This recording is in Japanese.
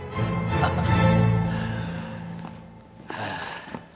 ハハハ。